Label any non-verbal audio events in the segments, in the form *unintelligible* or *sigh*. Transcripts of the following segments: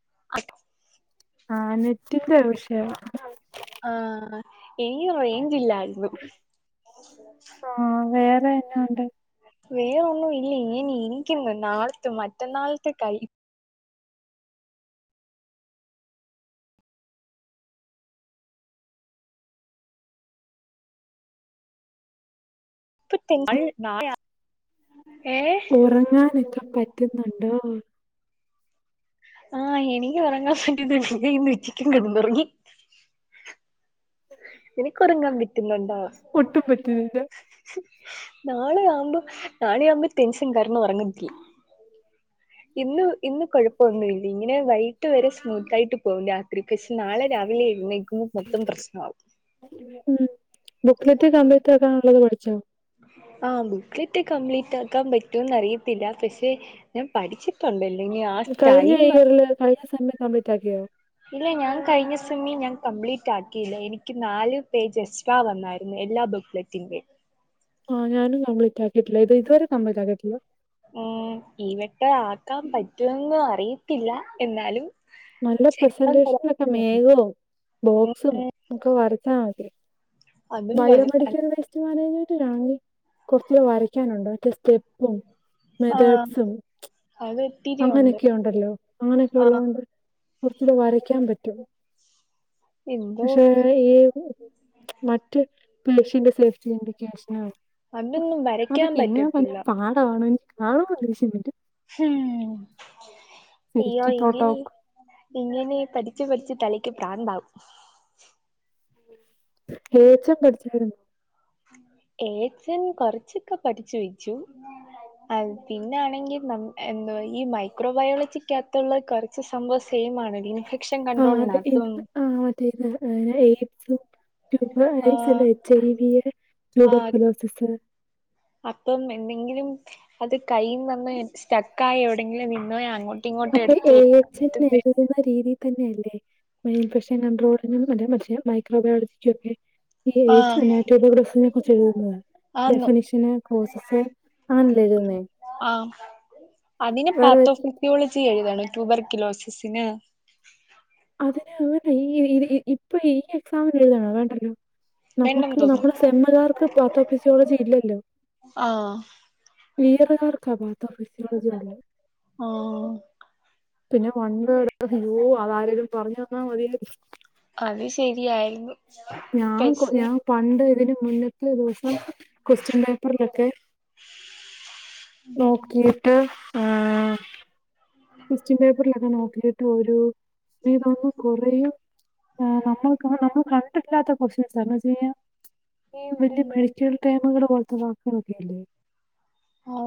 *unintelligible* ആ നെറ്റിന്റെ വിഷയം ആ എനിക്ക് റേഞ്ച് ഇല്ലായിരുന്നു. ആഹ് വേറെ എന്നാണ്ട് വേറൊന്നും ഇല്ല ഇങ്ങനെ ഇരിക്കുന്നു നാളത്തെ മറ്റെന്നാളത്തെ ക പ്പിത്തെങ്ങൾ *unintelligible* ഉറങ്ങാനൊക്കെ പറ്റുന്നുണ്ടോ? ആ എനിക്ക് ഉറങ്ങാൻ പറ്റുന്നുണ്ട് ദേ ഇന്ന് ഉച്ചയ്ക്കും കിടന്ന് ഉറങ്ങി. നിനക്കൊറങ്ങാൻ പറ്റുന്നുണ്ടോ? ഒട്ടും പറ്റുന്നില്ല നാളെ ആവുമ്പോ നാളെ ആവുമ്പോൾ ടെൻഷൻ കാരണം ഉറങ്ങത്തില്ല, ഇന്ന് ഇന്ന് കുഴപ്പമൊന്നുമില്ല, ഇങ്ങനെ വൈ കിട്ട് വരെ സ്മൂത്ത് ആയിട്ട് പോകും രാത്രി പക്ഷെ നാളെ രാവിലെ എഴുന്നേക്കുമ്പോ ഇപ്പൊ മൊത്തം പ്രശ്നമാകും. ഉം, ബുക്കിലത്തെ കമ്പ്യൂട്ടറൊക്കെ നാളത്തേക്ക് പഠിച്ചോ? ആ ബുക്കലറ്റ് കംപ്ലീറ്റ് ആക്കാൻ പറ്റൂന്ന അറിയത്തില്ല പക്ഷെ ഞാൻ പഠിച്ചിട്ടുണ്ട്. കഴിഞ്ഞ ഇയറില് കഴിഞ്ഞ സമയത്ത് കംപ്ലീറ്റ് ആക്കിയോ. ഇല്ല ഞാൻ കഴിഞ്ഞ സെമ്മിൽ ഞാൻ കംപ്ലീറ്റ് ആക്കിയില്ല, എനിക്ക് നാല് പേജ് എക്സ്ട്രാ വന്നായിരുന്നു. എല്ലാ ബുക്ക്ലറ്റിന്റെയും. ആ ഞാനും കംപ്ലീറ്റ് ആക്കിയിട്ടില്ല, ഇത് ഇതുവരെ കംപ്ലീറ്റ് ആക്കിയിട്ടില്ല. ഉം ഈ വട്ടം ആക്കാൻ പറ്റുമെന്ന് അറിയത്തില്ല എന്നാലും. നല്ല ചെയ്യണമെന്ന് പ്രസന്റേഷനൊക്കെ ഒരാഗ്രഹമുണ്ട്. മേഘവും ഉം, ബോക്സും ഉം. ഒക്കെ വർ ആ അതെ അതും ബയോ ആഹ് അത് മെഡിക്കൽ വേസ്റ്റ് മാനേജ്മെന്റ് ആണെങ്കിൽ കുറച്ചുകൂടെ വരയ്ക്കാനുണ്ട് മറ്റേ സ്റ്റെപ്പും. ആ, മെതേഡ്സും അതെ. അങ്ങനെയൊക്കെ ഉണ്ടല്ലോ അങ്ങനൊക്കെ ഉള്ളത് കൊണ്ട് കുറച്ചൂടെ വരക്കാൻ പറ്റും. എന്തോ പക്ഷെ ഈ മറ്റ് പേഷ്യന്റിന്റെ സേഫ്റ്റി ഉണ്ട്. അതൊന്നും വരയ്ക്കാൻ അതൊക്കെ എന്നാ പറ്റത്തില്ല ഭയങ്കര പാടാണ്, ആകെ ദേഷ്യം വരും. ഹും ഇയ്യോ സേഫ്റ്റി ഇങ്ങനെ പ്രോട്ടോകോൾ ഇങ്ങനെ പഠിച്ചു പഠിച്ച് തലയ്ക്ക് പ്രാന്താവും. ഏച്ചം പഠിച്ചിരുന്നു *unintelligible* ഏച്ചൻ കൊറച്ചൊക്കെ പഠിച്ചു വെച്ചു. അ പിന്നൊണെങ്കിൽ ന എന്തോ ഈ മൈക്രോബയോളജിക്കകത്തുള്ള കുറച്ച് സംഭവ സീ മാന്വൽ ഇൻഫെക്ഷൻ കൺണ്ട്രോളിനകത്തും ഹ എ എയ്ഡ്സും ടുബാ എയ്ഡ്‌സ് അല്ല, ആഹ് എച്ച് ഐ വിടെ ആഹ് ട്യൂബ്ർക്യൂലോസിസ്. അപ്പം എന്തെങ്കിലും അത് കൈയി നിന്ന് സ്റ്റക്കായി എവിടെങ്കിലും നിന്നുപോയ അങ്ങോട്ട്. അപ്പൊ എ എച്ച് എന്ന് എഴുതുന്ന രീതി തന്നെയല്ലേ എ ഇൻഫെക്ഷൻ കണ്ട്രോൾ? ഇങ്ങക്ക് കണ്ടാമനസ്സിലാകും മൈക്രോബയോളജിക്കൊക്കെ *unintelligible* ഈ എയ്ഡ്‌സ് ആഹ് അനാട്ടമി ഗ്രാഫിനെ കുറിച്ച് എഴുതുന്നത് ഡെഫിനഷന് കോഴസസ് ആ അതിന് വേറെ പാത്തോഫിസിയോളജി എഴുതണെ. ട്യൂബ്ർക്യൂലോസിസിന് അതിന് അവൻ ഈ ഇ ഇപ്പൊ ഈ എക്സാമിൽ എഴുതണോ വേണ്ടല്ലോ? വേണ്ടെന്ന് നമുക്ക് നമ്മുടെ തോന്നുന്നു സെമ്മകാർക്ക് പാത്തോഫിസിയോളജി ഇല്ലല്ലോ? ആഹ് ഏത് ഇയർ കാർക്ക പത്തോഫിസോളജി ഉള്ളത്? ആഹ് പിന്നെ വൺ വേർഡ് ഇയ്യോ അതാരേലും പറഞ്ഞ തന്നാ മതിയായിരുന്നു. അത് ശരിയായിരുന്നു. ഞാൻ പക്ഷെ ഞാൻ പണ്ട് ഇതിന് മുന്നേ എത്ര ദിവസം ക്യുഎസ്ടിയൻ പേപ്പറിലൊക്കെ നോക്കിയിട്ട് ആഹ് ക്വസ്റ്റ്യൻ പേപ്പറിലൊക്കെ നോക്കിയിട്ട് ഒരു തൊന്നും കുറയും നമ്മൾ നമ്മ ക ഇല്ലാത്ത കൊസ്റ്റ്യൻസാണോ ചെയ്യാ ഈ വലിയ മെഡിക്കൽ ടെമുകളും *unintelligible* ആ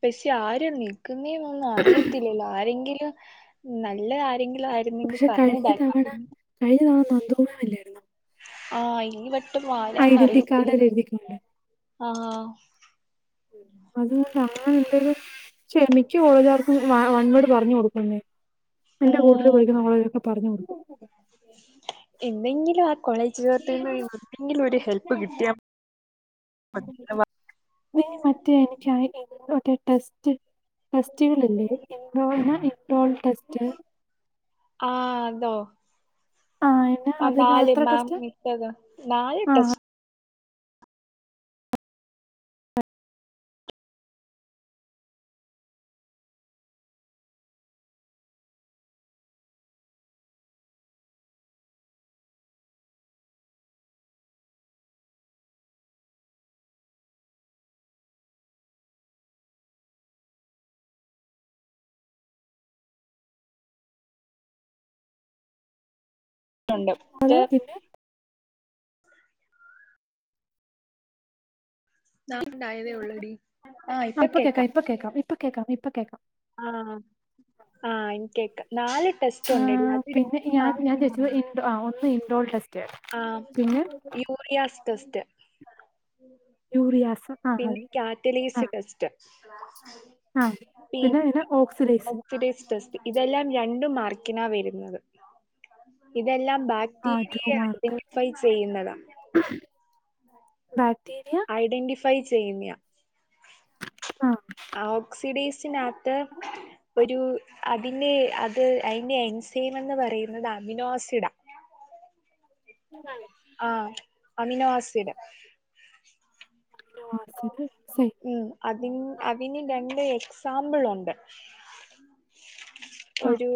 പെശി ആരും നിൽക്കുന്നേ എന്ന ന്നും അറിയത്തില്ലല്ലോ ആരെങ്കിലും നല്ല ആരെങ്കിലും ആരുന്നെങ്കിൽ പറഞ്ഞു തരായിരുന്നു. നന്തകുമാറല്ലയിരുന്നോ ആ ഈ വട്ട് ഐഡന്റി വാലന്നറിയത്തില്ല കാർഡിൽ എഴുതിക്കൊണ്ട് ആ അത ഞ എന്തരു ക്ഷമിക്കും ഓളതർക്കും വൺ പറഞ്ഞ കൊടുക്കേന്നെ എന്റെ കൂട്ടില് ഉം പഠിക്കുന്ന അവളെയൊക്കെ പറഞ്ഞു കൊടുക്കും എന്തെങ്കിലും ആ കോളേജ്ർത്തന്ന് എന്തെങ്കിലും ഒരു ഹെല്പ്പ് കിട്ടിയ മറ്റേ എനിക്കിയി കഴിഞ്ഞ് ടെസ്റ്റ് ടെസ്റ്റ് ടെസ്റ്റുകളില്ലേ ഇൻഡോ ഇൻഡോൾ ടെസ്റ്റ് ആ അതോ ആ എന്നാ ആ അതിന് നാല് അതെത്ര മാം ടെസ്റ്റാ ഇട്ട ത് നാല് ആ ടെസ്റ്റ് ണ്ട് അത് റ്റെ പിന്നെ ന ഉണ്ടായതേ ഉള്ളടി ആ ഇപ്പൊ കേക്കാം ഇപ്പൊ ഇപ്പൊ കേക്കാം ഇപ്പൊ കേക്കാം ആ ആ നികേക്ക നാല് ടെസ്റ്റ് ആ ഉണ്ട്ടീ അതല് പിന്നെ എനിക്ക് ഞാൻ ഞാൻ നാലില് ചോദിച്ചത് ഇൻഡോ ആ ഒന്ന് ഇൻഡോൾ ടെസ്റ്റ് ആ പിന്നെ യൂറിയാസ് ടെസ്റ്റ് യൂറിയാസ് ആ പിന്നെ അതെ ആ കാറ്റലീസ് ടെസ്റ്റ് ആ അതിന് പിന്നെ ഓക്സിഡൈസ് ഒക്കിടിസ് ടെസ്റ്റ് ഇതെല്ലാം രണ്ട മാ ട്ക്കണാ വരുന്നത് ഇതെല്ലാം ആ ടു ബാക്ടീരിയയെ മാർക്ക് ഐഡന്റിഫൈ ചെയ്യുന്നതാണ് ബാക്ക് ഐഡന്റിഫൈ ചെയ്യുന്നേ ആ ഓക്സീഡസ് സിനകത്ത് ഒരു അതിനെ അത് അയ്നെ എൻസെം എന്ന് പറയുന്നത് അമിനോസിഡ നെ ആ അമിനോ ആസിഡ് ആസിഡ് എൻസൈം ഉം അതിന് അതിന് രണ്ട് സാമ്പിൾ ഉണ്ട് ആ ഒരു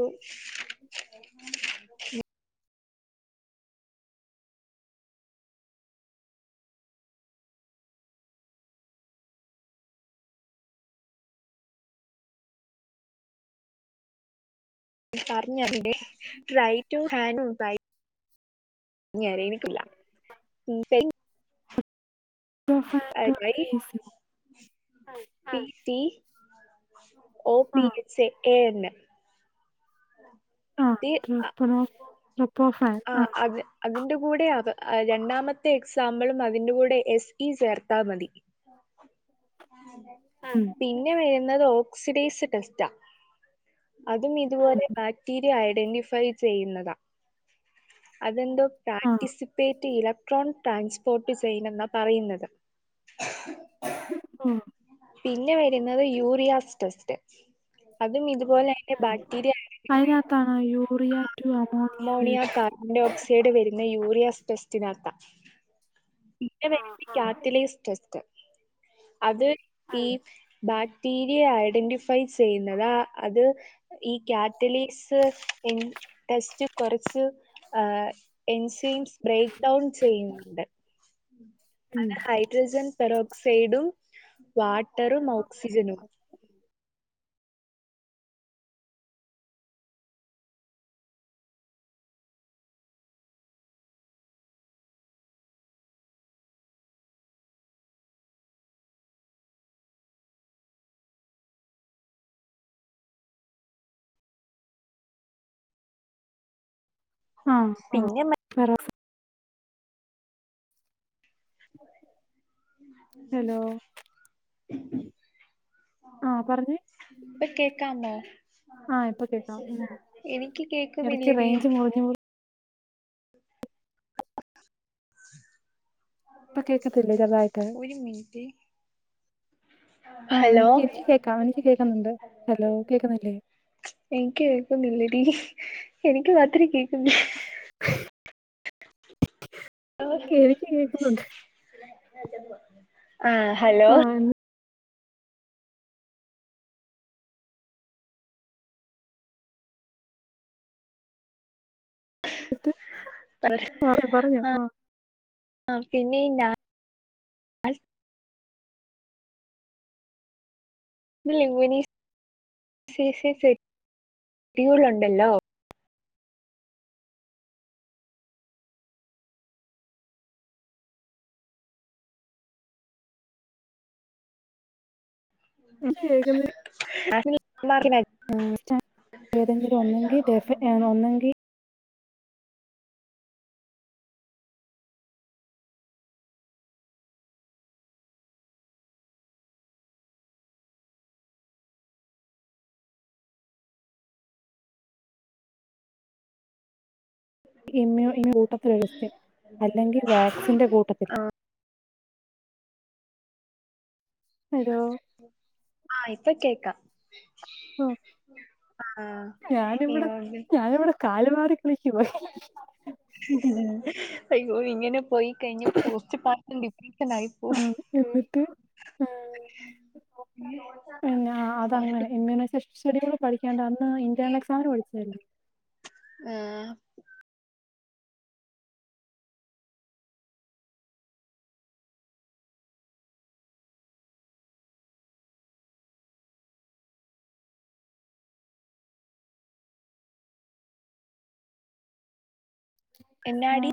പറഞ്ഞേരൻ്റ *unintelligible* ര എനിക്കില്ല *unintelligible* ഐഐ ട്രോഫനേസ് ആ P T *unintelligible* oh P A A എന്ന് *unintelligible* ആ *unintelligible* ആ അത് അതിൻ്റെ കൂടെ അവ രണ്ടാമത്തെ എക്സാമ്പിളും അതിന്റെ കൂടെ എസ് ഇ ചേർത്താൽ മതി ഉം പിന്നെ വരുന്നത് ഓക്സിഡൈസ് ടെസ്റ്റാ അതും ഉം, ഇതുപോലെ ബാക്ടീരിയ ഐഡന്റിഫൈ ചെയ്യുന്നതാ അതെന്തോ ആ പാർട്ടിസിപ്പേറ്റ് ഇലക്ട്രോണിക് ട്രാൻസ്പോർട്ട് ചെയെയിൻ എന്നാ പറയുന്നത് *unintelligible* പിന്നെ വരുന്നത് യൂറിയാസ് ടെസ്റ്റ് അതും ഇത് പോല എന്റെ ബാക്ടീരിയ അതിനകത്താണോ യൂറിയ ടു അമോണിയ മോണിയ വരുന്നത് കാർബൺ ഡൈോഓക്സൈഡ് വ പിന്നെ യൂറിയസ് ടെസ്റ്റിനകത്ത പി ആ പേ കാറ്റലീസ് ടെസ്റ്റ് അത് ആ ഈ ബ റ്റിരിയ ഐഡന്റിഫൈ ചെയ്യുന്നത് അത് ഈ കാറ്റലീസ് എ ടെസ്റ്റ് കുറച്ച് ആ ഉം അത് ഹൈഡ്രജൻ പെറോക്സൈഡും വാട്ടറും ഓക്സിജനും ആ ആ പിന്നെ മ *inaudible* ഹലോ ആ പറഞ്ഞേ ഇപ്പൊ കേക്കാമോ ആ ഇപ്പൊ കേക്കാം എനിക്ക് കേക്കുന്നില്ലടി ഓ ഇപ്പൊ കേക്കത്തില്ലേ ചെറുതായിട്ട് ഒരു മിനിറ്റ് ആ നി ഹലോ കേക്കാം എനിക്ക് കേക്കുന്നുണ്ട് ഹലോ കേക്കുന്നില്ലേ എനിക്ക് കേക്കുന്നില്ലടീ എനിക്ക് മാത്രേ കേക്കുന്ന എനിക്ക് കേക്കുന്നുണ്ട് ആ ഹലോ ആഹ് ത്ത് ആ പറഞ്ഞോ ആ ആ പിന്നെ *inaudible* ഇത് ലുവനീസ് സിസിത്രള്ളുണ്ടല്ലോ ആ *unintelligible* മാർക്കിന ഏതെങ്കിലും ഒന്നെങ്കിൽ *inaudible* ഒന്നെങ്കിൽ ഇമയു *unintelligible* അല്ലെങ്കിൽ വാക്സിൻ്റെ കൂട്ടത്തിൽ ഹലോ ആ ഇപ്പൊ കേക്കാം ആ, ഞാനിവിടെ അയ്യോ, ഞാനിവിടെ കാല മാറി കുളിക്ക്വാ അയ്യോ ഇങ്ങനെ പോയി കഴിഞ് പോസ്ച്ച് പാം ഡിപ്രഷൻ ആയി പോ ആഹ് എന്നിട്ട് ആഹ് പിന്നെ അതങ്ങനെ ഇ്യൂനൈസേഷ സ്റ്റഡികൾ പഠിക്കാണ്ട് അന്ന് ഇന്റേർണൽ എക്സാമിന് പഠിച്ചതല്ലേ ആ എന്നാടി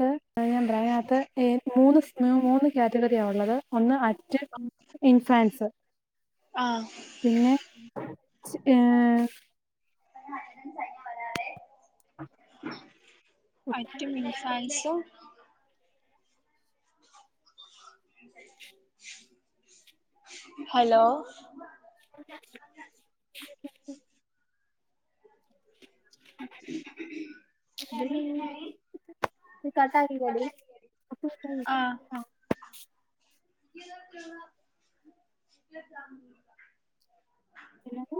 നാത്ത് ഞാൻ പറയാ അയ്നാത്ത് ഏ മൂന്ന് മൂന്ന് കാറ്റഗറിയാ ഉള്ളത് ഒന്ന് അറ്റ് റ്റ് ഇൻഫാൻസ് ആ പിന്നെ ച് ഏ അറ്റ് ഇൻഫാൻസും ഹലോ *unintelligible* *unintelligible* കട്ടാക്കി കടീ ആ *unintelligible* പിന്നത്തേ